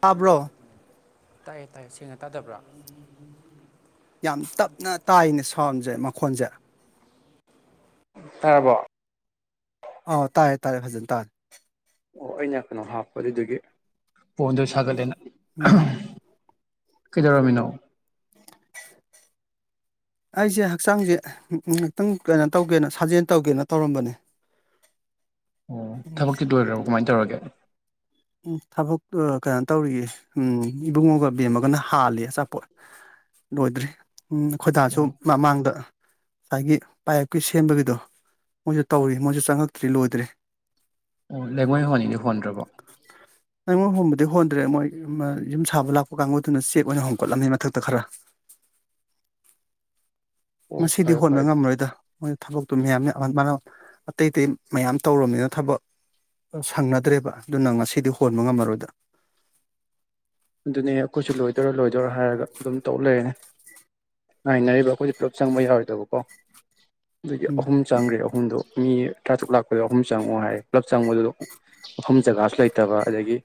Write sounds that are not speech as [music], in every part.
ꯇꯥꯕ꯭ꯔꯣ ꯇꯥꯏꯌꯦ ꯇꯥꯏꯌꯦ ꯁꯦꯡꯅ ꯇꯥꯗꯕ꯭ꯔꯥ ꯌꯥꯝ ꯇꯞꯅ ꯇꯥꯏꯅꯦ ꯁꯥꯎꯟꯁꯦ ꯃꯈꯣꯟꯁꯦ ꯇꯥꯔꯕꯣ ꯑ ꯇꯥꯔꯦ ꯇꯥꯔꯦ ꯐꯖꯅ ꯇꯥꯔꯦ ꯑꯣ ꯑꯩꯅ ꯀꯩꯅꯣ ꯍꯥꯞꯄ ꯑꯗꯨꯒꯤ ꯐꯣꯟꯗꯣ ꯁꯥꯒꯠꯂꯦꯅ ꯎꯝ ꯀꯩꯗꯔꯃꯤꯟꯣ [unintelligible] ꯑꯩꯁꯦ ꯍꯛꯆꯥꯡꯁꯦ ꯉꯍꯥꯛꯇꯪ ꯀꯩꯅꯣ ꯇꯧꯒꯦꯅ ꯁꯥꯖꯦꯜ ꯇꯧꯒꯦꯅ ꯇꯧꯔꯝꯕꯅꯦ ꯑꯣ ꯊꯕꯛꯛꯇꯤ ꯂꯣꯏꯈ꯭ꯔꯕ ꯀꯃꯥꯏꯅ ꯇꯧꯔꯒꯦ ꯎ ꯊꯕꯛ ꯀꯩꯅꯣ ꯇꯧꯔꯤꯌꯦ ꯎꯝ ꯏꯕꯨꯡꯉꯣꯒ ꯕꯦꯝꯃꯒꯅ ꯍꯥꯜꯂꯦꯑꯆꯥꯄꯣꯠ ꯂꯣꯏꯗ꯭ꯔꯤ ꯎꯝ ꯑꯩꯈꯣꯏꯗꯥꯁꯨ ꯑꯣ ꯃꯃꯥꯡꯗ ꯑꯥꯏꯒꯤ ꯄꯥꯏꯞꯀꯤ ꯁꯦꯝꯕꯒꯤꯗꯣ ꯃꯣꯏꯖꯨ ꯇꯧꯔꯤ ꯃꯣꯏꯖꯨ ꯆꯪꯉꯛꯇ꯭ꯔꯤ ꯂꯣꯏꯗ꯭ꯔꯤ ꯑꯣ ꯂꯩꯉꯣꯏ ꯍꯣꯟꯅꯤꯗꯤ ꯍꯣꯟꯗ꯭ꯔꯕꯣ ꯂꯩꯉꯣꯏ ꯍꯣꯟꯕꯗꯤ ꯍꯣꯟꯗ꯭ꯔꯦ ꯃꯣꯏ ꯌꯨꯝ ꯁꯥꯕ ꯂꯥꯛꯄ ꯀꯥꯡꯕꯨꯗꯨꯅ ꯆꯦꯛ ꯑꯣꯏꯅ ꯍꯣꯡꯀꯠꯂꯝꯃꯤ ꯃꯊꯛꯇꯕ ꯈꯔ ꯑꯣ ꯉꯁꯤꯗꯤ ꯐꯔꯦ ꯍꯣꯟꯠꯕ ꯐꯔꯦ ꯉꯝꯃꯔꯣꯏꯗ ꯃꯣꯏ ꯊꯕꯛꯇꯨ ꯃꯌꯥꯝꯅꯦ ꯑꯇꯩ ꯑꯇꯩ ꯃꯌꯥꯝ ꯇꯧꯔꯝꯅꯤꯅ ꯊꯕꯛ ꯁꯪꯅꯗ꯭ꯔꯦꯕ ꯑꯗꯨꯅ ꯉꯁꯤꯗꯤ ꯍꯣꯟꯕ ꯉꯝꯃꯔꯣꯏꯗ ꯑꯗꯨꯅꯦ ꯑꯈꯣꯏꯁꯨ ꯂꯣꯏꯗꯣꯏꯔ ꯂꯣꯏꯗꯣꯏꯔ ꯍꯥꯏꯔꯒ ꯑꯗꯨꯝ ꯇꯧ ꯂꯩꯔꯦꯅꯦ ꯉꯥꯏꯅꯔꯤꯕ ꯑꯩꯈꯣꯏ ꯄꯨꯂꯞ ꯆꯪꯕ ꯌꯥꯔꯣꯏꯗꯕꯀꯣ ꯑꯗꯨꯒꯤ ꯎꯝ ꯑꯍꯨꯝ ꯆꯪꯒꯔꯦ ꯑꯍꯨꯝꯗꯣ ꯃꯤ ꯇꯔꯥꯇꯔꯨꯛ ꯂꯥꯛꯄꯗꯣ ꯑꯍꯨꯝ ꯆꯪꯉꯑꯣ ꯍꯥꯏꯌꯦ ꯄꯨꯂꯞ ꯆꯪꯕꯗꯣ ꯃꯐꯝ ꯖꯒꯥꯁꯨ ꯂꯩꯇꯕ ꯑꯗꯒꯤ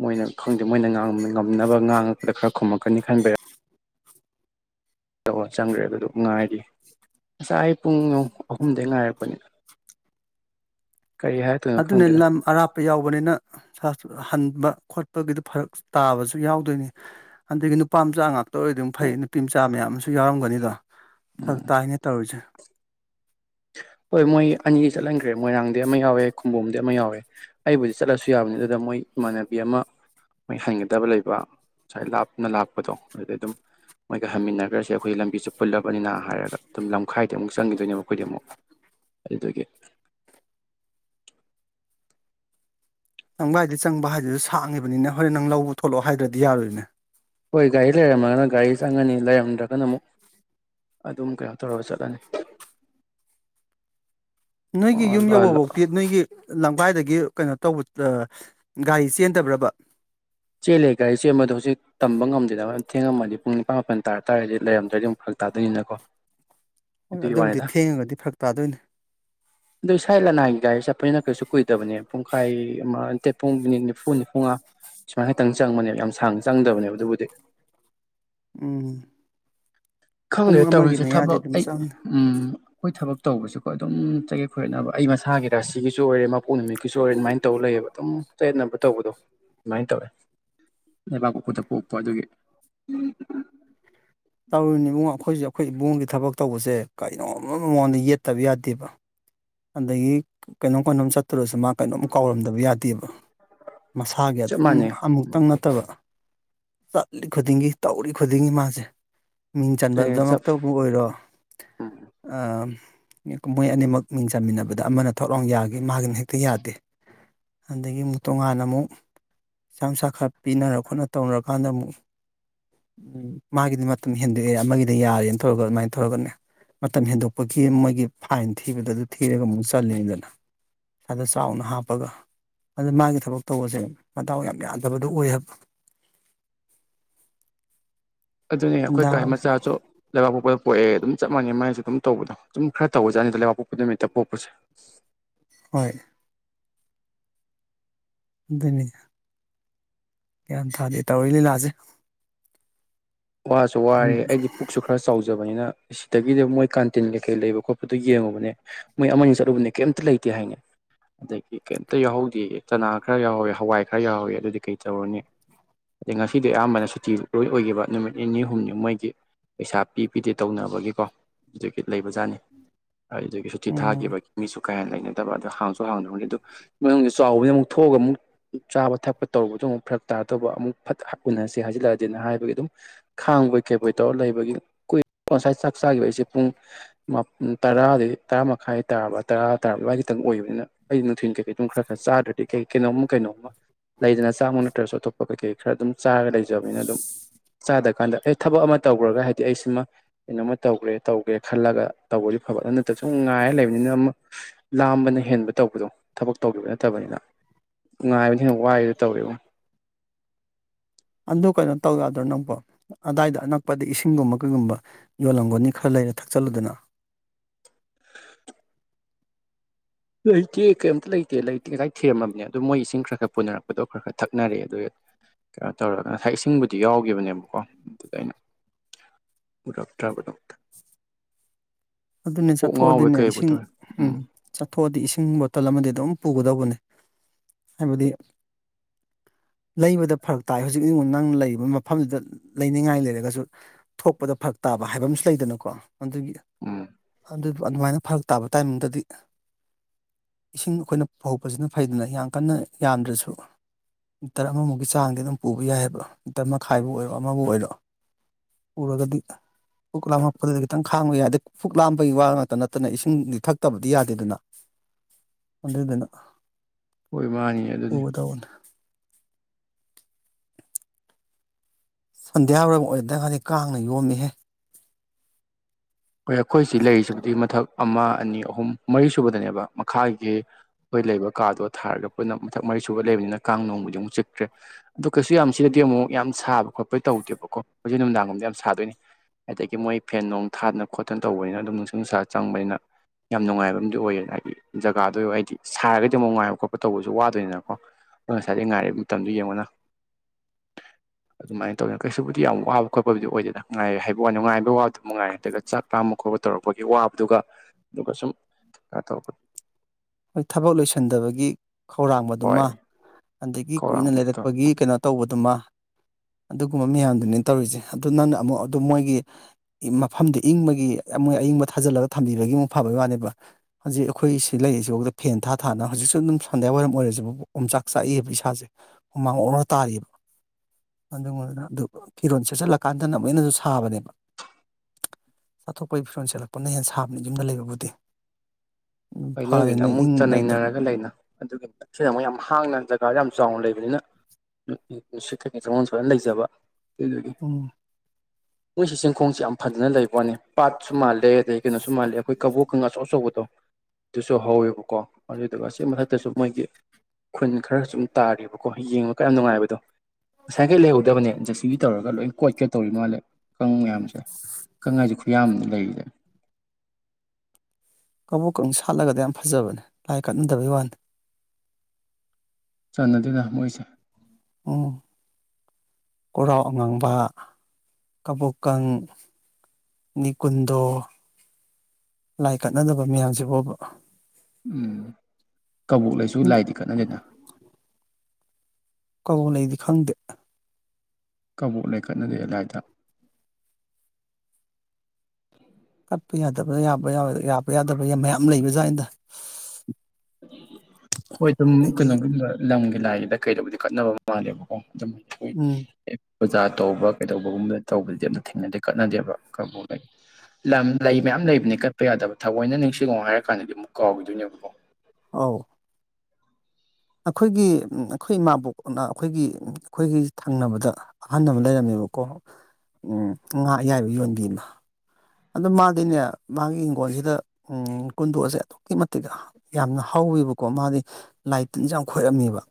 ꯃꯣꯏꯅ ꯈꯪꯗꯦ ꯃꯣꯏꯅ ꯉꯥꯡꯕꯂꯤ ꯉꯝꯅꯕ ꯉꯥꯡꯉꯛꯄꯗ ꯈꯔ ꯈꯨꯝꯃꯛꯀꯅꯤ ꯈꯟꯕꯩꯔ ꯇꯧ ꯆꯪꯒꯔꯦꯕ ꯑꯗꯨ ꯉꯥꯏꯔꯤ ꯉꯁꯥꯏ ꯄꯨꯡ ꯑꯍꯨꯝꯗꯒꯤ ꯉꯥꯏꯔꯛꯄꯅꯤ ꯀꯔꯤ ꯍꯥꯏ ꯑꯗꯨꯅ ꯂꯝ ꯑꯔꯥꯞ ꯄ ꯌꯥꯎꯕꯅꯤꯅ ꯍꯟꯕ ꯈꯣꯠꯄꯒꯤꯗ ꯐꯔꯛ ꯇꯥꯕꯖꯨ ꯌꯥꯎꯗꯣꯏꯅꯤ ꯑꯗꯩꯒꯤ ꯅꯨꯄꯥ ꯃꯆꯥ ꯉꯥꯛꯇ ꯑꯣꯏꯔꯗꯤ ꯑꯃꯨꯛ ꯐꯩ ꯅꯨꯄꯤ ꯃꯆꯥ ꯃꯌꯥꯝ ꯑꯃꯁꯨ ꯌꯥꯎꯔꯝꯒꯅꯤꯗꯣ ꯐꯔꯛ ꯎꯝ ꯇꯥꯏꯅꯦ ꯇꯧꯔꯤꯖꯦ ꯍꯣꯏ ꯃꯣꯏ ꯑꯅꯤ ꯆꯠꯍꯟꯒꯔꯦ ꯃꯣꯏꯔꯥꯡꯗꯤ ꯑꯃ ꯌꯥꯎꯋꯦ ꯈꯣꯡꯕꯣꯝꯗꯒꯤ ꯑꯃ ꯌꯥꯎꯋꯦ ꯑꯩꯕꯨꯗꯤ ꯆꯠꯂꯁꯨ ꯌꯥꯕꯅꯤ ꯑꯗꯨꯗ ꯃꯣꯏ ꯏꯃꯥꯟꯅꯕꯤ ꯑꯃ ꯃꯣꯏ ꯍꯩꯒꯗꯕ ꯂꯩꯕ ꯉꯁꯥꯏ ꯂꯥꯞꯅ ꯂꯥꯛꯄꯗꯣ ꯑꯗꯨꯗꯩ ꯑꯗꯨꯝ ꯃꯣꯏꯒ ꯍꯟꯃꯤꯟꯅꯒꯔꯖꯦ ꯑꯩꯈꯣꯏꯒꯤ ꯂꯝꯕꯤꯖꯨ ꯄꯨꯜꯂꯕꯅꯤꯅ ꯍꯥꯏꯔꯒ ꯑꯗꯨꯝ ꯂꯝꯈꯥꯏꯗ ꯑꯃꯨꯛ ꯆꯪꯈꯤꯗꯣꯏꯅꯦꯕ ꯑꯩꯈꯣꯏꯗꯤ ꯑꯃꯨꯛ ꯑꯗꯒꯤ ꯂꯝꯒꯥꯏꯗꯩ ꯆꯪꯕ ꯍꯥꯏꯗꯨꯖꯨ ꯁꯥꯡꯉꯤꯕꯅꯤꯅ ꯍꯣꯔꯦꯟ ꯅꯪ ꯂꯧꯕ ꯊꯣꯛꯂꯛꯑꯣ ꯍꯥꯏꯗ꯭ꯔꯗꯤ ꯌꯥꯔꯣꯏꯅꯦ ꯍꯣꯏ ꯒꯥꯔꯤ ꯂꯩꯔꯝꯃꯒꯅ ꯒꯥꯔꯤ ꯆꯪꯉꯅꯤ ꯂꯩꯔꯝꯗ꯭ꯔꯒꯅ ꯑꯃꯨꯛ ꯑꯗꯨꯝ ꯀꯩꯅꯣ ꯇꯧꯔꯒ ꯆꯠꯂꯅꯤ ꯅꯣꯏꯒꯤ ꯌꯨꯝ ꯌꯧꯕꯕꯣꯇꯤ ꯅꯣꯏꯒꯤ ꯂꯝꯒꯥꯏꯗꯒꯤ ꯀꯩꯅꯣ ꯇꯧꯕ ꯑ ꯒꯥꯔꯤ ꯆꯦꯟꯗꯕ꯭ꯔꯕ ꯆꯦꯜꯂꯦ ꯒꯔꯤ ꯆꯦꯟꯕꯗꯣ ꯍꯧꯖꯤꯛ ꯇꯝꯕ ꯉꯝꯗꯦꯗꯅ ꯊꯦꯡꯉꯝꯃꯗꯤ ꯄꯨꯡ ꯅꯤꯄꯥ ꯃꯥꯄꯟ ꯇꯥꯔ ꯇꯥꯔꯗꯤ ꯂꯩꯔꯝꯗ꯭ꯔꯗꯤ ꯑꯃꯨꯛ ꯐꯔꯛ ꯇꯥꯗꯣꯏꯅꯤꯅꯀꯣ ꯍꯣꯏ ꯑꯗꯨꯒꯤ ꯑꯗꯨꯕꯨꯗꯤ ꯋꯥꯅꯤꯗ ꯊꯦꯡꯉꯒꯗꯤ ꯐꯔꯛ ꯇꯥꯗꯣꯏꯅꯤ [inaudible] ꯑꯗꯣ ꯏꯁꯥꯏ ꯂꯅꯥꯏꯒꯤ ꯒꯥꯔꯤ ꯆꯠꯄꯅꯤꯅ ꯀꯩꯁꯨ ꯀꯨꯏꯗꯕꯅꯦ ꯄꯨꯡꯈꯥꯏ ꯑꯃ ꯅꯠꯇꯦ ꯄꯨꯡ ꯃꯤꯅꯤꯠ ꯅꯤꯐꯨ ꯅꯤꯐꯨꯉꯥ ꯁꯨꯃꯥꯏꯅ ꯇꯪ ꯆꯪꯕꯅꯦꯕ ꯌꯥꯝ ꯁꯥꯡꯅ ꯆꯪꯗꯕꯅꯦꯕ ꯑꯗꯨꯕꯨꯗꯤ ꯎꯝ ꯄꯨꯡ ꯈꯪꯡꯗꯔꯦ ꯑꯃꯒꯤ ꯇꯧꯔꯤꯖꯦ ꯃꯌꯥꯗꯤ ꯊꯕꯛ ꯑꯗꯨꯝ ꯑꯩ ꯆꯪꯅꯤ ꯎꯝ ꯑꯩꯈꯣꯏ ꯊꯕꯛ ꯇꯧꯕꯖꯦꯀꯣ ꯑꯗꯨꯝ ꯆꯌꯦꯠ ꯈꯣꯏꯌꯦꯠꯅꯕ ꯑꯩ ꯃꯁꯥꯒꯤꯔꯥ ꯁꯤꯒꯤꯁꯨ ꯑꯣꯏꯔꯦ ꯃꯄꯣꯛ ꯅꯨꯃꯤꯠꯀꯤꯁꯨ ꯑꯣꯏꯔꯦ ꯑꯗꯨꯃꯥꯏꯅ ꯇꯧ ꯂꯩꯌꯦꯕ ꯑꯗꯨꯝ ꯆꯌꯦꯠꯅꯕ ꯇꯧꯕꯗꯣ ꯑꯗꯨꯃꯥꯏꯅ ꯇꯧꯋꯦ ꯂꯩꯕꯥꯛ ꯄꯣꯛꯄꯗ ꯄꯣꯛꯄ ꯑꯗꯨꯒꯤ ꯎꯝ-ꯎꯎꯝ ꯇꯧꯔꯤꯅꯤ ꯏꯕꯨꯡꯉꯣ ꯑꯩꯈꯣꯏꯖꯦ ꯑꯩꯈꯣꯏ ꯏꯕꯨꯡꯒꯤ ꯊꯕꯛ ꯇꯧꯕꯖꯦ ꯀꯔꯤꯅꯣꯝꯃ ꯃꯉꯣꯟꯗ ꯌꯦꯠꯇꯕ ꯌꯥꯗꯦꯕ ꯑꯗꯒꯤ ꯀꯩꯅꯣꯝ ꯀꯩꯅꯣꯝ ꯆꯠ ꯇꯧꯔꯁꯨ ꯃꯥ ꯀꯩꯅꯣꯝ ꯀꯥꯎꯔꯝꯗꯕ ꯌꯥꯗꯦꯕ ꯃꯁꯥꯒꯤ ꯆꯞ ꯑꯗꯨꯝ ꯃꯥꯟꯅꯩ ꯑꯃꯨꯛ ꯎꯝ ꯇꯪ ꯅꯠꯇꯕ ꯆꯠꯂꯤ ꯈꯨꯗꯤꯡꯒꯤ ꯇꯧꯔꯤ ꯈꯨꯗꯤꯡꯒꯤ ꯃꯥꯖꯦ ꯃꯤꯡ ꯑꯗꯨꯅꯦ ꯆꯞ ꯆꯟꯕꯗꯃꯛꯇꯕꯨ ꯑꯣꯏꯔꯣ ꯎꯝ ꯑ ꯀꯨꯝꯍꯣꯏ ꯑꯅꯤꯃꯛ ꯃꯤꯡ ꯆꯥꯃꯤꯟꯅꯕꯗ ꯑꯃꯅ ꯊꯣꯂꯎꯅ ꯌꯥꯒꯤ ꯃꯥꯒꯤꯅ ꯍꯦꯛꯇ ꯌꯥꯗꯦ ꯑꯗꯒꯤ ꯑꯃꯨꯛ ꯇꯣꯉꯥꯟꯅ ꯑꯃꯨꯛ [unintelligible] ꯈꯔ ꯄꯤꯅꯔ ꯈꯣꯠꯅ ꯇꯧꯅꯔ ꯀꯥꯟꯗ ꯑꯃꯨꯛ ꯎꯝ ꯃꯥꯒꯤꯗꯤ ꯃꯇꯝ ꯍꯦꯟꯗꯣꯛꯑꯦ ꯑꯃꯒꯤꯗꯤ ꯌꯥꯔꯦꯅ ꯊꯧꯔꯒ ꯑꯗꯨꯃꯥꯏꯅ ꯇꯧꯔꯒꯅꯦ ꯃꯇꯝ ꯍꯦꯟꯗꯣꯛꯄꯒꯤ ꯃꯣꯏꯒꯤ ꯐꯥꯏꯟ ꯊꯤꯕꯗ ꯑꯗꯨ ꯊꯤꯔꯒ ꯑꯃꯨꯛ ꯆꯠꯂꯦꯗꯅ ꯑꯗ ꯆꯥꯎꯅ ꯍꯥꯞꯄꯒ ꯑꯗꯨ ꯃꯥꯒꯤ ꯊꯕꯛ ꯇꯧꯕꯁꯦ ꯃꯇꯥꯎ ꯌꯥꯝ ꯌꯥꯗꯕꯗꯨ ꯑꯣꯏ ꯍꯥꯏꯕ ꯑꯗꯨꯅꯤ ꯑꯩꯈꯣꯏ ꯀꯥ ꯗꯥꯎꯁꯦ ꯃꯆꯥꯁꯨ ꯂꯩꯕꯥꯛ ꯄꯣꯛꯄꯗ ꯄꯣꯛꯑꯦ ꯑꯗꯨꯝ ꯆꯞ ꯃꯥꯟꯩ ꯃꯥꯅꯁꯨ ꯑꯗꯨꯝ ꯇꯧꯕꯗꯣ ꯑꯗꯨꯝ ꯈꯔ ꯇꯧꯖꯥꯠꯅꯤꯗ ꯂꯩꯕꯥꯛ ꯄꯣꯛꯄ ꯅꯨꯃꯤꯠꯇ ꯄꯣꯛꯄꯁꯦ ꯍꯣꯏ ꯑꯗꯨꯅꯤ ꯒ꯭ꯌꯥꯟ ꯇꯥꯗꯦ ꯇꯧꯔꯤ ꯂꯤꯂꯥꯁꯦ ꯋꯥꯁꯨ ꯋꯥꯔꯦ ꯑꯩꯗꯤ ꯄꯨꯛꯁꯨ ꯈꯔ ꯆꯥꯎꯖꯕꯅꯤꯅ ꯁꯤꯗꯒꯤꯗꯤ ꯃꯣꯏ ꯀꯥꯟꯇꯤꯟ ꯀꯩꯀꯩ ꯂꯩꯕ ꯈꯣꯠꯄꯗꯨ ꯌꯦꯡꯉꯨꯕꯅꯦ ꯃꯣꯏ ꯑꯃꯅꯤ ꯆꯠꯂꯨꯕꯅꯦ ꯀꯩꯝꯇ ꯂꯩꯇꯦ ꯍꯥꯏꯅꯦ ꯑꯗꯒꯤ ꯀꯩꯝꯇ ꯌꯥꯎꯍꯧꯗꯦ ꯆꯅꯥ ꯈꯔ ꯌꯥꯎꯍꯧꯋꯤ ꯍꯋꯥꯏ ꯈꯔ ꯌꯥꯎꯍꯧꯋꯤ ꯑꯗꯨꯗꯤ ꯀꯩ ꯇꯧꯔꯅꯤ ꯑꯗꯩ ꯉꯁꯤꯗꯤ ꯑꯌꯥꯝꯕꯅ ꯁꯨꯇꯤ ꯂꯣꯏ ꯑꯣꯏꯒꯤꯕ ꯅꯨꯃꯤꯠ ꯅꯤꯅꯤ ꯍꯨꯝꯅꯤ ꯃꯣꯏꯒꯤ ꯄꯩꯁꯥ ꯄꯤ ꯄꯤꯗꯦ ꯇꯧꯅꯕꯒꯤꯀꯣ ꯑꯗꯨꯒꯤ ꯂꯩꯕꯖꯥꯠꯅꯤ ꯑꯩꯗꯤ ꯁꯨꯇꯤ ꯎꯝ ꯊꯥꯈꯤꯕ ꯃꯤꯁꯨ ꯀꯌꯥ ꯂꯩꯅꯗꯕ ꯑꯗꯨꯗꯣ ꯍꯥꯡꯁꯨ ꯍꯥꯡꯗꯕꯅꯤ ꯑꯗꯨ ꯃꯅꯨꯡꯗ ꯆꯥꯎꯕꯅ ꯑꯃꯨꯛ ꯊꯣꯛꯑꯒ ꯑꯃꯨꯛ ꯆꯥꯕ ꯊꯛꯄ ꯇꯧꯕꯗꯣ ꯑꯃꯨꯛ ꯐꯔꯛ ꯇꯥꯔꯗꯕ ꯑꯃꯨꯛ ꯐꯠꯞ ꯎꯟꯅꯔꯁꯦ ꯍꯥꯏꯖꯤꯜꯂꯛꯑꯗꯤꯅ ꯍꯥꯏꯕꯒꯤ ꯑꯗꯨꯝ ꯈꯥꯡꯕꯣꯏ ꯀꯩꯕꯣꯏ ꯇꯧꯔ ꯂꯩꯕꯒꯤ ꯀꯨꯏ ꯉꯁꯥꯏ ꯆꯥꯛ ꯆꯥꯈꯤꯕ ꯑꯩꯁꯦ ꯄꯨꯡ ꯃꯥꯞ ꯇꯔꯥꯗꯤ ꯇꯔꯥ ꯃꯈꯥꯏ ꯇꯥꯕ ꯇꯔꯥ ꯇꯥ ꯑꯗꯨꯋꯥꯏ ꯈꯤꯇꯪ ꯑꯣꯏꯕꯅꯤꯅ ꯑꯩ ꯅꯨꯡꯊꯤꯟ ꯀꯩꯀꯩ ꯑꯗꯨꯝ ꯈꯔ ꯈꯔ ꯆꯥꯗ꯭ꯔꯗꯤ ꯀꯩ ꯀꯩꯅꯣꯝ ꯀꯩꯅꯣꯝꯃ ꯂꯩꯗꯅ ꯆꯥꯃꯛ ꯅꯠꯇ꯭ꯔꯁꯨ ꯑꯇꯣꯞꯄ ꯀꯩꯀꯩ ꯈꯔ ꯑꯗꯨꯝ ꯆꯥꯔꯒ ꯂꯩꯖꯕꯅꯤꯅ ꯑꯗꯨꯝ ꯆꯥꯗ ꯀꯥꯟꯗ ꯑꯦ ꯊꯕꯛ ꯑꯃ ꯇꯧꯈ꯭ꯔꯒ ꯍꯥꯏꯗꯤ ꯑꯩꯁꯤꯃ ꯀꯩꯅꯣꯝꯃ ꯇꯧꯒ꯭ꯔꯦ ꯇꯧꯒꯦ ꯈꯜꯂꯒ ꯇꯧꯕꯗꯤ ꯐꯕ ꯑꯗꯨ ꯅꯠꯇ ꯁꯨꯝ ꯉꯥꯏꯔ ꯂꯩꯕꯅꯤꯅ ꯑꯃ ꯂꯥꯝꯕꯅ ꯍꯦꯟꯕ ꯇꯧꯕꯗꯣ ꯊꯕꯛ ꯇꯧꯒꯤꯕ ꯅꯠꯇꯕꯅꯤꯅ ꯉꯥꯏꯕꯅ ꯍꯦꯟꯅ ꯋꯥꯏꯗꯣ ꯇꯧꯔꯦꯉꯣ ꯑꯗꯨ ꯀꯩꯅꯣ ꯇꯧ ꯌꯥꯗ꯭ꯔꯣ ꯅꯪꯄꯣ ꯑꯗꯥꯏꯗ ꯑꯅꯛꯄꯗ ꯏꯁꯤꯡꯒꯨꯝꯕ ꯏꯁꯤꯡꯒꯨꯝꯕ ꯀꯩꯒꯨꯝꯕ ꯌꯣꯜꯂꯝꯒꯅꯤ ꯈꯔ ꯂꯩꯔ ꯊꯛꯆꯜꯂꯨꯗꯅ ꯂꯩꯇꯦ ꯀꯩꯝꯇ ꯂꯩꯇꯦ ꯂꯩꯇꯦ ꯀꯗꯥꯥꯏ ꯊꯤꯔꯝꯃꯕꯅꯦ ꯑꯗꯣ ꯃꯣꯏ ꯏꯁꯤꯡ ꯈꯔ ꯈꯔ ꯄꯨꯅꯔꯛꯄꯗꯣ ꯈꯔ ꯈꯔ ꯊꯛꯅꯔꯦ ꯑꯗꯨ ꯀꯩꯅꯣ ꯇꯧꯔꯒ ꯉꯁꯥꯏ ꯏꯁꯤꯡꯕꯨꯗꯤ ꯌꯥꯎꯈꯤꯕꯅꯦꯕꯀꯣ ꯑꯗꯨꯗ ꯑꯩꯅ ꯄꯨꯔꯛꯇ꯭ꯔꯕꯗꯣ ꯑꯗꯨꯅꯦ ꯀꯣꯛ ꯉꯥꯎꯕꯩ ꯆꯠꯊꯣꯛꯑꯗꯤꯅꯦ ꯀꯩꯕꯨ ꯏꯁꯤꯡ ꯇꯧꯔꯦ ꯎꯝ ꯆꯠꯊꯣꯛꯑꯗꯤ ꯏꯁꯤꯡ ꯕꯣꯇꯜ ꯑꯃꯗꯤ ꯑꯗꯨꯝ ꯄꯨꯒꯗꯧꯕꯅꯤ ꯍꯥꯏꯕꯗꯤ ꯂꯩꯕꯗ ꯐꯔꯛ ꯇꯥꯏ ꯍꯧꯖꯤꯛ ꯌꯦꯡꯉꯣ ꯅꯪ ꯂꯩꯔꯤꯕ ꯃꯐꯝꯗꯨꯗ ꯂꯩꯅꯤꯡꯉꯥꯏ ꯂꯩꯔꯒꯁꯨ ꯊꯣꯛꯄꯗ ꯐꯔꯛ ꯇꯥꯕ ꯍꯥꯏꯕ ꯑꯃꯁꯨ ꯂꯩꯗꯅꯀꯣ ꯑꯗꯨꯒꯤ ꯎꯝ ꯑꯗꯨ ꯑꯗꯨꯃꯥꯏꯅ ꯐꯔꯛ ꯇꯥꯕ ꯇꯥꯏꯝꯃꯤꯡꯗꯗꯤ ꯏꯁꯤꯡ ꯑꯩꯈꯣꯏꯅ ꯄꯨꯍꯧꯕꯁꯤꯅ ꯐꯩꯗꯅ ꯌꯥꯝ ꯀꯟꯅ ꯌꯥꯝꯗ꯭ꯔꯁꯨ ꯂꯤꯇꯔ ꯑꯃꯃꯨꯛꯀꯤ ꯆꯥꯡꯗꯤ ꯑꯗꯨꯝ ꯄꯨꯕ ꯌꯥꯏꯕ ꯂꯤꯇꯔ ꯃꯈꯥꯏꯕꯨ ꯑꯣꯏꯔꯣ ꯑꯃꯕꯨ ꯑꯣꯏꯔꯣ ꯄꯨꯔꯒꯗꯤ ꯄꯨꯛ ꯂꯥꯝꯃꯛꯄꯗꯗꯤ ꯈꯤꯇꯪ ꯈꯥꯡꯕ ꯌꯥꯢꯗ ꯄꯨꯛ ꯂꯥꯝꯕꯒꯤ ꯋꯥ ꯉꯥꯛꯇ ꯅꯠꯇꯅ ꯏꯁꯤꯡꯗꯤ ꯊꯛꯇꯕꯗꯤ ꯌꯥꯗꯦꯗꯅ ꯑꯗꯨꯗꯅ ꯍꯣꯏ ꯃꯥꯅꯤ ꯑꯗꯨꯅꯤ ꯁꯟꯗ꯭ꯌꯥ ꯋꯥꯏꯔꯝ ꯑꯣꯏꯗ ꯉꯥꯏꯔꯤ ꯀꯥꯡꯅ ꯌꯣꯝꯃꯦꯍꯦ ꯍꯣꯏ ꯑꯩꯈꯣꯏꯁꯤ ꯂꯩꯔꯤꯁꯤꯕꯨꯗꯤ ꯃꯊꯛ ꯑꯃ ꯑꯅꯤ ꯑꯍꯨꯝ ꯃꯔꯤꯁꯨꯨꯕꯗꯅꯦꯕ ꯃꯈꯥꯒꯤ ꯑꯩꯈꯣꯏ ꯂꯩꯕ ꯀꯥꯗꯣ ꯊꯥꯔꯒ ꯄꯨꯟꯅ ꯃꯊꯛ ꯃꯔꯤ ꯁꯨꯕ ꯂꯩꯕꯅꯤꯅ ꯀꯥꯡ ꯅꯣꯡꯕꯨꯗꯤ ꯑꯃꯨꯛ ꯆꯤꯛꯇ꯭ꯔꯦ ꯑꯗꯨ ꯀꯩꯁꯨ ꯌꯥꯝ ꯁꯤꯗꯗꯤ ꯑꯃꯨꯛ ꯌꯥꯝ ꯁꯥꯕ ꯈꯣꯠꯄꯩ ꯇꯧꯗꯦꯕꯀꯣ ꯍꯧꯖꯤꯛ ꯅꯨꯡꯗꯥꯡ ꯂꯣꯝꯗ ꯌꯥꯝ ꯁꯥꯗꯣꯏꯅꯦ ꯑꯗꯒꯤ ꯃꯣꯏ ꯐꯦꯟ ꯅꯨꯡ ꯊꯥꯗꯅ ꯈꯣꯠꯇꯅ ꯇꯧꯕꯅꯤꯅ ꯑꯗꯨꯝ ꯅꯨꯡꯁꯤꯠ ꯅꯨꯡꯁꯥ ꯆꯪꯕꯅꯤꯅ ꯌꯥꯝ ꯅꯨꯡꯉꯥꯏꯕ ꯑꯝ ꯑꯣꯏꯌꯦ ꯍꯥꯏꯗꯤ ꯖꯒꯥꯗꯣ ꯍꯥꯏꯗꯤ ꯁꯥꯔꯒꯗꯤ ꯑꯃꯨꯛ ꯡꯥꯏꯕ ꯈꯣꯠꯄ ꯇꯧꯕꯁꯨ ꯋꯥꯗꯣꯏꯅꯤꯗꯅꯀꯣ ꯑꯩꯈꯣꯏ ꯉꯁꯥꯏꯗꯩ ꯉꯥꯏꯔꯤ ꯃꯇꯝꯗꯨ ꯌꯦꯡꯉꯣꯅ ꯑꯗꯨꯃꯥꯏꯅ ꯇꯧꯗꯅ ꯀꯩꯁꯨꯕꯨꯗꯤ ꯌꯥꯝ ꯋꯥꯕ ꯈꯣꯠꯄꯕꯨꯗꯤ ꯑꯣꯏꯗꯦꯗ ꯉꯥꯏ ꯍꯥꯏꯕ ꯋꯥꯅꯤ ꯉꯥꯏꯕꯩ ꯋꯥꯕꯗꯨ ꯃꯉꯥꯏꯔꯦ ꯑꯗꯨꯒ ꯆꯥꯛ ꯂꯥꯝꯕ ꯈꯣꯠꯄ ꯇꯧꯔꯛꯄꯒꯤ ꯋꯥꯕꯗꯨꯒ ꯑꯗꯨꯒ ꯁꯨꯝ ꯀꯩꯅꯣ ꯇꯧꯕ ꯍꯣꯏ ꯊꯕꯛ ꯂꯣꯏꯁꯟꯗꯕꯒꯤ ꯍꯣꯏ ꯈꯧꯔꯥꯡꯕꯗꯨꯃ ꯑꯗꯒꯤ ꯀꯨꯏꯅ ꯂꯩꯔꯛ ꯈꯧꯔꯥꯡꯕꯗꯣ ꯄꯒꯤ ꯀꯩꯅꯣ ꯇꯧꯕꯗꯨꯃ ꯑꯗꯨꯒꯨꯝꯕ ꯃꯌꯥꯝꯗꯨꯅꯤ ꯇꯧꯔꯤꯁꯦ ꯑꯗꯨ ꯅꯪꯅ ꯑꯃꯨꯛ ꯑꯗꯨꯝ ꯃꯣꯏꯒꯤ ꯃꯐꯝꯗꯨ ꯏꯪꯕꯒꯤ ꯃꯣꯏ ꯑꯌꯤꯡꯕ ꯊꯥꯖꯤꯜꯂꯒ ꯊꯝꯕꯤꯕꯒꯤ ꯑꯃꯨꯛ ꯐꯕꯩ ꯋꯥꯅꯦꯕ ꯍꯧꯖꯤꯛ ꯑꯩꯈꯣꯏ ꯁꯤ ꯂꯩꯔꯤꯁꯤ ꯐꯥꯎꯗ ꯐꯦꯟ ꯊꯥ ꯊꯥꯅ ꯍꯧꯖꯤꯛꯁꯨ ꯑꯗꯨꯝ ꯁꯟꯗ꯭ꯥꯌ ꯋꯥꯏꯔꯝ ꯑꯣꯏꯔꯁꯤ ꯕꯥꯎ ꯑꯣꯝꯆꯥꯛ ꯆꯥꯛꯏꯕ ꯏꯁꯥꯁꯦ ꯍꯨꯃꯥꯡ ꯑꯣꯔꯣꯔ ꯇꯥꯔꯤꯕ ꯑꯗꯨ [unintelligible] ꯑꯗꯨ ꯐꯤꯔꯣꯜ ꯁꯦꯠꯆꯜꯂꯀꯥꯟꯗꯅ ꯑꯃꯨꯛ ꯍꯦꯟꯅꯁꯨ ꯁꯥꯕꯅꯦꯕ ꯆꯠꯊꯣꯛꯄꯒꯤ ꯐꯤꯔꯣꯟ ꯁꯦꯠꯂꯛꯄꯅ ꯍꯦꯟꯅ ꯁꯥꯕꯅꯤ ꯌꯨꯝꯗ ꯂꯩꯕꯕꯨꯗꯤ ꯎꯝ ꯍꯣꯏ ꯐꯔꯦ ꯅꯪꯒꯤꯅ ꯅꯣꯏ ꯑꯃꯨꯛ ꯏꯪ ꯂꯩꯗꯣ ꯆꯅꯩꯅꯔꯒ ꯂꯩꯅ ꯑꯗꯨꯒꯤ ꯁꯤꯗ ꯑꯃꯨꯛ ꯌꯥꯝ ꯍꯥꯡꯅ ꯖꯒꯥꯗꯣ ꯌꯥꯝ ꯆꯥꯎꯅ ꯂꯩꯕꯅꯤꯅ ꯅꯨꯡ ꯅꯨꯡꯁꯤꯠ ꯀꯩꯀꯩ ꯆꯡꯕꯝꯁꯨ ꯐꯖꯅ ꯂꯩꯖꯕ ꯑꯗꯨꯗꯨꯒꯤ ꯎꯝ [inaudible] ꯃꯣꯏꯁꯤ ꯆꯤꯡꯈꯣꯡꯁꯦ ꯌꯥꯝ ꯐꯖꯅ ꯂꯩꯕ ꯋꯥꯅꯤ ꯄꯥꯠꯁꯨ ꯃꯥꯜꯂꯦ ꯑꯗꯩ ꯀꯩꯅꯣꯁꯨ ꯃꯥꯜꯂꯦ ꯑꯩꯈꯣꯏ ꯀꯕꯣꯛ ꯀꯪ ꯑꯆꯧ ꯑꯆꯧꯕꯗꯣ ꯑꯗꯨꯁꯨ ꯍꯧꯋꯦꯕꯀꯣ ꯑꯗꯨꯗꯨꯒ ꯑꯁꯤ ꯃꯊꯛꯇꯁꯨ ꯃꯣꯏꯒꯤ ꯈꯨꯟ ꯈꯔ ꯁꯨꯝ ꯇꯥꯔꯤꯕꯀꯣ ꯌꯦꯡꯕꯀ ꯌꯥꯝ ꯅꯨꯡꯉꯥꯏꯕꯗꯣ ꯉꯁꯥꯏꯒꯩ ꯂꯩꯍꯧꯗꯕꯅꯦ ꯖꯦꯁꯤꯕꯤ ꯇꯧꯔꯒ ꯂꯣꯏ ꯀꯣꯏꯀꯦ ꯇꯧꯔꯤ ꯃꯥꯜꯂꯦ ꯀꯪ ꯃꯌꯥꯝꯁꯦ ꯀꯪ ꯍꯥꯏꯁꯦ ꯈꯨꯌꯥꯝ ꯑꯝꯅꯤ ꯂꯩꯔꯤꯁꯦ ꯀꯕꯣꯛꯀꯪ ꯁꯥꯠꯂꯒꯗꯤ ꯌꯥꯝ ꯐꯖꯕꯅꯦ ꯂꯥꯏ ꯀꯠꯅꯗꯕꯩ ꯋꯥꯅꯤ ꯆꯟꯅꯗꯦꯅ ꯃꯣꯏꯁꯦ ꯑꯝ ꯀꯣꯔꯥꯎ ꯑꯉꯥꯡꯕ ꯀꯕꯣꯛꯀꯪ ꯅꯤ ꯀꯨꯟꯗꯣ ꯂꯥꯏ ꯀꯠꯅꯗꯕ ꯃꯌꯥꯝꯁꯤꯕꯣꯕ ꯎꯝ ꯀꯕꯣꯛ ꯂꯩꯁꯨ ꯍꯟꯗꯛ ꯂꯥꯏꯗꯤ ꯀꯠꯅꯗꯦꯅ ꯀꯕꯣꯛ ꯂꯩꯗꯤ ꯈꯪꯗꯦ ꯀꯕꯣꯛ ꯂꯩ ꯀꯠꯅꯗꯦ ꯂꯥꯏꯗ ꯀꯠꯄ ꯌꯥꯗꯕ ꯌꯥꯕ ꯌꯥꯗꯕ ꯌꯥꯕ ꯌꯥꯗꯕ ꯌꯥꯝ ꯃꯌꯥꯝ ꯂꯩꯕ ꯖꯥꯠꯅꯤꯗ ꯍꯣꯏ ꯑꯗꯨꯝ ꯀꯩꯀꯩ ꯀꯩꯅꯣꯒꯤ ꯂꯝꯒꯤ ꯂꯥꯏꯒꯤꯗ ꯀꯩꯗꯧꯕꯗꯤ ꯀꯠꯅꯕ ꯃꯥꯜꯂꯦꯕꯀꯣ ꯑꯗꯨꯃꯥꯏꯅ ꯎꯝ ꯄꯨꯖꯥ ꯇꯧꯕ ꯀꯩꯗꯧꯕꯒꯨꯝꯕ ꯇꯧꯕꯗꯤ ꯑꯝꯇ ꯊꯦꯡꯅꯗꯦ ꯀꯠꯅꯗꯦꯕ ꯀꯕꯣꯛꯂꯩ ꯂꯝ ꯂꯩ ꯃꯌꯥꯝ ꯂꯩꯕꯅꯦ ꯀꯠꯄ ꯌꯥꯗꯕ ꯊꯑꯣꯏꯅ ꯅꯤꯡꯁꯤꯡꯉꯣ ꯍꯥꯏꯔ ꯀꯥꯟꯗꯗꯤ ꯑꯃꯨꯛ ꯀꯥꯎꯈꯤꯗꯣꯏꯅꯦꯕꯀꯣ ꯑꯧ ꯑꯩꯈꯣꯏꯒꯤ ꯑꯩꯈꯣꯏ ꯏꯃꯥꯕꯣꯛꯅ ꯑꯩꯈꯣꯏꯒꯤ ꯑꯩꯈꯣꯏꯒꯤ ꯊꯪꯅꯕꯗ ꯑꯍꯟ ꯑꯃ ꯂꯩꯔꯝꯃꯦꯕꯀꯣ ꯎꯝ ꯉꯥ ꯑꯌꯥꯏꯕ ꯌꯣꯟꯕꯤ ꯑꯃ ꯑꯗꯨ ꯃꯥꯗꯤꯅꯦ ꯃꯥꯒꯤ ꯍꯤꯡꯈꯣꯜꯁꯤꯗ ꯎꯝ ꯀꯨꯟꯗꯣꯁꯦ ꯑꯗꯨꯛꯀꯤ ꯃꯇꯤꯛ ꯌꯥꯝꯅ ꯍꯧꯋꯦꯕꯀꯣ ꯃꯥꯗꯤ ꯂꯥꯏ ꯇꯤꯟꯁꯨ ꯌꯥꯝ ꯈꯣꯏꯔꯝꯃꯦꯕ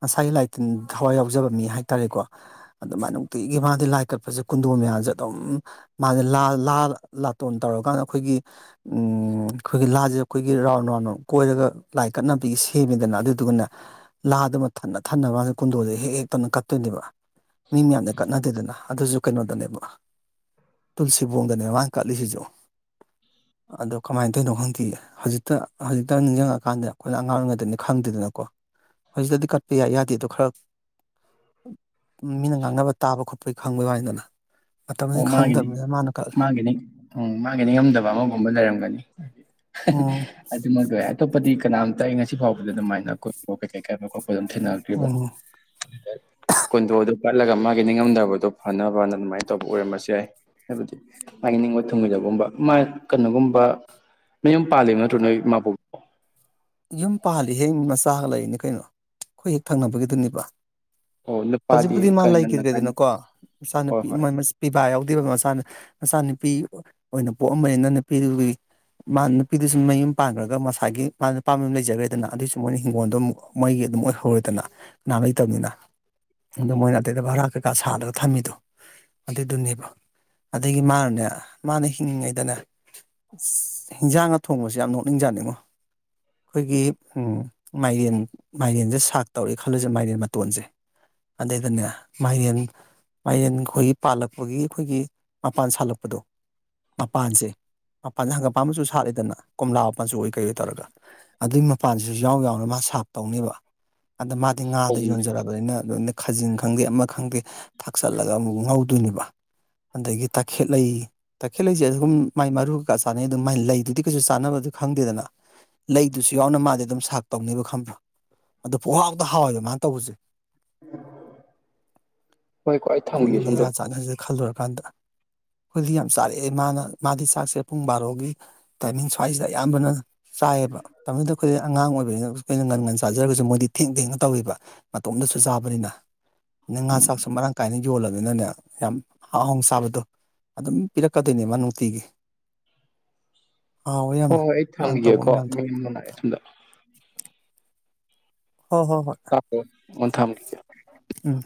ꯃꯁꯥꯏ ꯂꯥꯏ ꯇꯤꯟ ꯊꯋꯥꯏ ꯌꯥꯎꯖꯕ ꯃꯤ ꯍꯥꯏ ꯇꯥꯔꯦꯀꯣ ꯑꯗꯨꯃꯥꯏꯅ ꯅꯨꯡꯇꯤꯒꯤ ꯃꯥꯗꯤ ꯂꯥꯏ ꯀꯠꯄꯖ‌ꯦ ꯀꯨꯟꯗꯣ ꯃꯌꯥꯝꯖ‌ꯦ ꯑꯗꯨꯝ ꯃꯥꯁꯦ ꯂꯥ ꯂꯥ ꯂꯥꯇꯣꯟ ꯇꯧꯔꯀꯥꯟ ꯑꯩꯈꯣꯏꯒꯤ ꯎꯝ ꯑꯩꯈꯣꯏꯒꯤ ꯂꯥꯁꯦ ꯑꯩꯈꯣꯏꯒꯤ ꯔꯥꯎꯟ ꯔꯥꯎꯟ ꯀꯣꯏꯔꯒ ꯂꯥꯏ ꯀꯠꯅꯕꯒꯤ ꯁꯦꯝꯃꯤꯗꯅ ꯑꯗꯨꯗꯨꯒꯅ‌ꯦ ꯂꯥꯗꯨꯃ ꯊꯟꯅ ꯊꯟꯅꯕ ꯃꯥꯖ‌ꯦ ꯀꯨꯟꯗꯣꯖ‌ꯦ ꯍꯦꯛ ꯍꯦꯛ ꯇꯅ ꯀꯠꯇꯣꯏꯅꯦꯕ ꯃꯤ ꯃꯌꯥꯝꯅ ꯀꯠꯅꯗꯦꯗꯅ ꯑꯗꯨꯁꯨ ꯀꯩꯅꯣꯗꯅꯦꯕ ꯇꯨꯜꯁꯤꯕꯣꯡꯗꯅꯦ ꯃꯥ ꯀꯠꯂꯤꯁꯤꯁꯨ ꯑꯗꯣ ꯀꯃꯥꯏꯟ ꯇꯧꯏꯅꯣ ꯈꯪꯗꯤꯌꯦ ꯍꯧꯖꯤꯛꯇ ꯍꯧꯖꯤꯛꯇ ꯅꯤꯡꯁꯤꯡꯉꯛꯀꯥꯟꯗ ꯑꯩꯈꯣꯏꯅ ꯑꯉꯥꯡ ꯑꯣꯏꯔꯤꯉꯩꯗꯅꯤ ꯈꯪꯗꯦꯗꯅꯀꯣ ꯍꯧꯖꯤꯛꯇꯗꯤ ꯀꯠꯄ ꯌꯥꯏ ꯌꯥꯗꯦꯗꯣ ꯈꯔ ꯃꯤꯅ ꯉꯥꯡꯅꯕ ꯇꯥꯕ ꯈꯣꯠꯄꯩ ꯈꯪꯕꯩ ꯋꯥꯅꯤꯗꯅ ꯃꯇꯝꯗꯨ ꯑꯣ ꯃꯥꯒꯤꯅꯤ ꯈꯪꯗꯕꯅꯤ ꯃꯥꯒꯤꯅꯤ ꯎꯝ ꯃꯥꯒꯤ ꯅꯤꯡꯉꯝꯗꯕ ꯑꯃꯒꯨꯝꯕ ꯂꯩꯔꯝꯒꯅꯤ ꯎꯝ ꯑꯗꯨꯃꯛ [unintelligible] ꯑꯇꯣꯞꯄꯗꯤ ꯀꯅꯥꯝꯇ ꯑꯩ ꯉꯁꯤ ꯐꯥꯎꯕꯗ ꯑꯗꯨꯃꯥꯏꯅ ꯀꯨꯟꯗ‌ꯣ ꯀꯩꯀꯩ ꯀꯠꯄ ꯈꯣꯠꯄ ꯑꯗꯨꯝ ꯊꯦꯡꯅꯔꯛꯇ꯭ꯔꯤꯕ ꯎꯝ ꯀꯨꯟꯗꯣꯗ‌ꯣ ꯀꯠꯂꯒ ꯃꯥꯒꯤ ꯅꯤꯡꯉꯝꯗꯕꯗꯣ ꯐꯅꯕꯅ ꯑꯗꯨꯃꯥꯏ ꯇꯧꯕ ꯑꯣꯏꯔꯝꯕꯁꯨ ꯌꯥꯏ ꯍꯥꯏꯕꯗꯤ ꯃꯥꯒꯤ ꯅꯤꯡꯕ ꯊꯨꯡꯉ‌ꯣꯏꯗꯒꯨꯝꯕ ꯃꯥ ꯀꯩꯅꯣꯒꯨꯝꯕ ꯃꯌꯨꯝ ꯄꯥꯜꯂꯤ ꯅꯠꯇ꯭ꯔ‌ꯣ ꯅꯣꯏ ꯃꯥꯕ‌ꯣ ꯌꯨꯝ ꯄꯥꯜꯂꯤ ꯍꯦꯛ ꯃꯆꯥꯒ ꯂꯩꯔꯤꯅꯦ ꯀꯩꯅꯣ ꯑꯩꯈꯣꯏ ꯍꯦꯛ ꯊꯪꯅꯕꯒꯤꯗꯨꯅꯤꯕ ꯑꯣ ꯅꯨꯄꯥꯗꯤ ꯍꯧꯖꯤꯛꯄꯨꯗꯤ ꯃꯥ ꯀ ꯉꯟꯅ ꯀꯥꯏꯅ ꯂꯩꯈꯤꯗ꯭ꯔꯦꯗꯅꯀꯣ ꯍꯣꯏ ꯃꯆꯥꯅꯨꯄꯤ ꯍꯣꯏ ꯃ‌ꯣꯏ ꯃ ꯄꯤꯕꯥ ꯌꯥꯎꯗꯦꯕ ꯃꯆꯥ ꯃꯆꯥ ꯅꯨꯄꯤ ꯑꯣꯏꯅ ꯄꯣꯛꯑꯝꯕꯅꯤꯅ ꯅꯨꯄꯤꯗꯨꯒꯤ ꯃꯥ ꯅꯨꯄꯤꯗꯨꯁꯨꯨ ꯃꯌꯨꯝ ꯄꯥꯟꯈ꯭ꯔꯒ ꯃꯁꯥꯒꯤ ꯃꯥ ꯅꯨꯄꯥ ꯃꯌꯨꯝ ꯂꯩꯖꯈ꯭ꯔꯦꯗꯅ ꯑꯗꯨꯏꯁꯨ ꯃꯣꯏꯅ ꯍꯤꯡꯒꯣꯜꯗꯣ ꯑꯃꯨꯛ ꯃꯣꯏꯒꯤ ꯑꯗꯨꯝ ꯑꯣꯏꯍꯧꯔꯦꯗꯅ ꯅꯥ ꯂꯩꯇꯕꯅꯤꯅ ꯑꯗꯨ ꯃꯣꯏꯅ ꯑꯗꯩꯗ ꯚꯔꯥ ꯀꯩꯀꯥ ꯁꯥꯜꯂꯒ ꯊꯝꯃꯤꯗꯣ ꯑꯗꯨꯗꯨꯅꯦꯕ ꯑꯗꯒꯤ ꯃꯥꯅꯅꯦ ꯃꯥꯅ ꯍꯤꯡꯉꯤꯉꯩꯗꯅꯦ ꯏꯁ ꯍꯤꯟꯖꯥꯡꯒꯥ ꯊꯣꯡꯕꯁꯦ ꯌꯥꯝ ꯅꯣꯛꯅꯤꯡꯖꯥꯠꯅꯤꯡꯉꯣ ꯑꯩꯈꯣꯏꯒꯤ ꯃꯥꯏꯔꯦꯟ ꯃꯥꯏꯔꯦꯟꯁꯦ ꯁꯥꯛ ꯇꯧꯔꯦ ꯈꯜꯂꯁꯦ ꯃꯥꯏꯔꯦꯟ ꯃꯇꯣꯟꯁꯦ ꯑꯗꯩꯗꯅꯦ ꯃꯥꯏꯔꯦꯟ ꯃꯥꯏꯔ‌ꯦꯟ ꯑꯩꯈꯣꯏꯒꯤ ꯄꯥꯜꯂꯛꯄꯒꯤ ꯑꯩꯈꯣꯏꯒꯤ ꯃꯄꯥꯟ ꯁꯥꯠꯂꯛꯄꯗꯣ ꯃꯄꯥꯟꯁꯦ ꯃꯄꯥꯟꯁꯦ ꯍꯪꯒꯥꯝꯄꯝ ꯃꯆꯨ ꯁꯥꯠꯂꯤꯗꯅ ꯀꯣꯝꯂꯥ ꯃꯆꯨ ꯑꯣꯏ ꯀꯩ ꯑꯣꯏ ꯇꯧꯔ ꯑꯗꯨꯏ ꯃꯄꯥꯟꯁꯤꯁꯨ ꯌꯥꯎ ꯌꯥꯎꯅ ꯃꯥ ꯁꯥꯞ ꯇꯧꯅꯦꯕ ꯑꯗ ꯃꯥꯗꯤ ꯉꯥꯗ ꯇꯧꯕꯅꯤꯗ ꯌꯣꯟꯖꯔꯛ ꯄꯅꯤꯅ ꯑꯗꯨꯅ ꯈꯥꯖꯤꯟ ꯈꯪꯗꯦ ꯑꯃ ꯈꯪꯗꯦ ꯊꯥꯛꯆꯜꯂꯒ ꯑꯃꯨꯛ ꯉꯧꯗꯣꯏꯅꯦꯕ ꯑꯗꯒꯤ ꯇꯥꯈꯦꯠꯂꯩ ꯇꯈꯦꯜꯂꯩꯁꯦ ꯑꯍꯨꯝ ꯃꯥꯏ ꯃꯔꯨꯀꯥ ꯆꯥꯅꯩ ꯑꯗꯨ ꯃꯥꯏ ꯂꯩꯗꯨꯗꯤ ꯀꯩꯁꯨ ꯆꯥꯅꯕꯗꯨ ꯈꯪꯗꯦꯗꯅ ꯑꯗꯨꯁꯨ ꯌꯥꯎꯅ ꯃꯥꯗꯤ ꯑꯗꯨꯝ ꯁꯥꯛ ꯇꯧꯅꯦꯕ ꯈꯪꯕ꯭ꯔ ꯑꯗ‌ꯣ ꯄꯪꯍꯥꯎꯗ ꯍꯥꯎꯋꯦꯕ ꯃꯥꯅ ꯇꯧꯕꯁꯦ ꯍꯣꯏ ꯀꯣꯏ ꯑꯩ ꯊꯝꯒꯦ ꯁꯨꯝꯗ ꯆꯥꯟꯅꯖ‌ꯦ ꯈꯜꯂꯨꯔꯀꯥꯟꯗ ꯑꯩꯈꯣꯏꯗꯤ ꯌꯥꯝ ꯆꯥꯔꯛꯑꯦ ꯃꯥꯅ ꯃꯥꯗꯤ ꯆꯥꯛꯁꯦ ꯄꯨꯡ ꯕꯥꯔꯣꯒꯤ ꯇꯥꯏꯃꯤꯡ ꯁ꯭ꯋꯥꯏꯁꯤꯗ ꯑꯌꯥꯝꯕꯅ ꯆꯥꯏꯌꯦꯕ ꯃꯇꯝꯗꯨꯗ ꯑꯩꯈꯣꯏꯗꯤ ꯑꯉꯥꯡ ꯑꯣꯏꯕꯅꯤꯅ ꯑꯩꯈꯣꯏꯅ ꯉꯟ ꯉꯟ ꯆꯥꯖꯔꯒꯁꯨ ꯃꯣꯏꯗꯤ ꯊꯦꯡ ꯊꯦꯡꯅ ꯇꯧꯋꯦꯕ ꯃꯇꯣꯝꯗꯁꯨ ꯆꯥꯕꯅꯤꯅ ꯑ ꯉꯥ ꯆꯥꯛꯁꯨ ꯃꯔꯥꯡ ꯀꯥꯏꯅ ꯌꯣꯜꯂꯝꯅꯤꯅꯅꯦ ꯌꯥꯝ ꯍꯥꯎꯟ ꯆꯥꯕꯗꯣ ꯑꯗꯨꯝ ꯄꯤꯔꯛꯀꯗꯣꯏꯅꯦ ꯃꯥ ꯅꯨꯡꯇꯤꯒꯤ ꯍꯥꯎꯋꯦ ꯌꯥꯝꯅ ꯍ‌ꯣꯍꯣꯏ ꯑꯩ ꯃꯥꯅ ꯇꯧꯕ ꯊꯝꯒꯦꯀꯣ ꯃꯌꯥꯝꯗꯣ ꯃꯤ ꯑꯝ ꯂꯥꯛꯑꯦ ꯁꯨꯝꯗ ꯍꯣ ꯍꯣ ꯍꯣꯏ [unintelligible] ꯊꯝꯈꯤꯒ‌ꯦ ꯎꯝ